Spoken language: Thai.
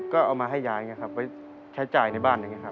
ก็เอามาให้ยายอย่างนี้ครับไว้ใช้จ่ายในบ้านอย่างนี้ครับ